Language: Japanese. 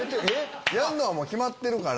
やるのは決まってるから。